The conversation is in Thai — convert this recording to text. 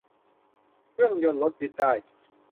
เครื่องยนต์รถยึดได้